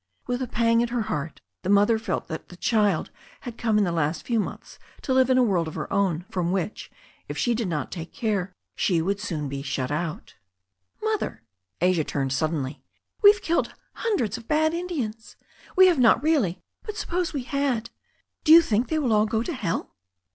With a pang at her heart the mother felt that the child had come in the last few months to live in a world of her own, from which, if she did not take care, she would be soon shut out. "Mother" — ^Asia turned suddenly — ^"weVe killed hundreds of bad Indians. We have not really, but suppose we had, do you think they will all go to hell?"